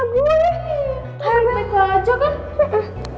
harian baik baik aja kan